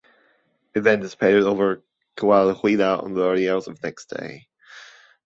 It then dissipated over Coahuila on the early hours on the next day.